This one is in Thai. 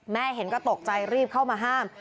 เห็นก็ตกใจรีบเข้ามาห้าม